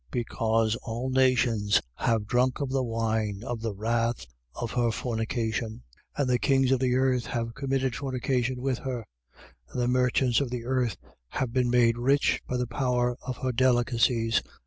Because all nations have drunk of the wine of the wrath of her fornication: and the kings of the earth have committed fornication with her; And the merchants of the earth have been made rich by the power of her delicacies.